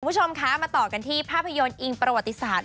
คุณผู้ชมคะมาต่อกันที่ภาพยนตร์อิงประวัติศาสตร์